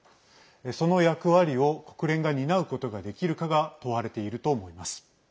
その役割を国連が担うことができるかが問われていると思います。